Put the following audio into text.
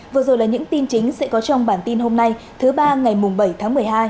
vừa rồi là những tin chính sẽ có trong bản tin hôm nay thứ ba ngày bảy tháng một mươi hai